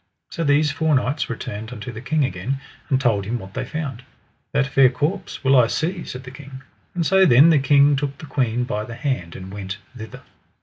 So these four knights returned unto the king again, and told him what they found. That fair corpse will I see, said the king. And so then the king took the queen by the hand, and went thither.